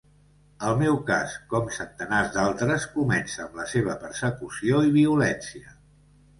El meu cas, com centenars d’altres, comença amb la seva persecució i violència.